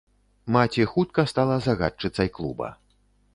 Маці хутка стала загадчыцай клуба.